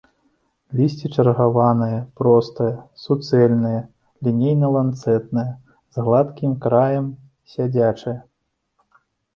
Лісце чаргаванае, простае, суцэльнае, лінейна-ланцэтнае, з гладкім краем, сядзячае.